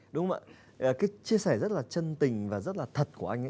cái chia sẻ rất là chân tình và rất là thật của anh